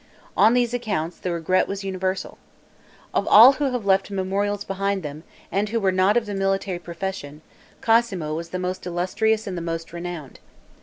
On these accounts, the regret was universal. Of all who have left memorials behind them, and who were not of the military profession, Cosmo was the most illustrious and the most renowned.